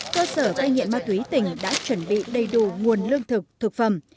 cơ sở cai nghiện ma túy tỉnh đã chuẩn bị đầy đủ nguồn lương thực thực phẩm